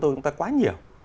chúng ta quá nhiều